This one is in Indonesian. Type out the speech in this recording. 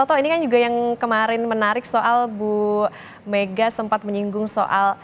atau ini kan juga yang kemarin menarik soal bu mega sempat menyinggung soal